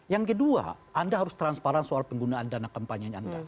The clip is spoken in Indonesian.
yang kedua anda harus transparan soal penggunaan dana kampanye anda